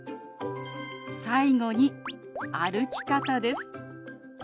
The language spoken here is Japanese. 最後に歩き方です。